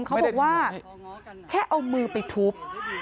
เขาบอกว่าแค่เอามือไปทุบ